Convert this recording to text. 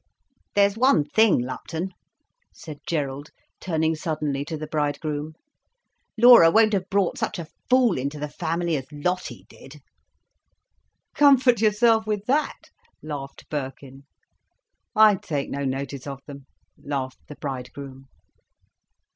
"There's one thing, Lupton," said Gerald, turning suddenly to the bridegroom. "Laura won't have brought such a fool into the family as Lottie did." "Comfort yourself with that," laughed Birkin. "I take no notice of them," laughed the bridegroom.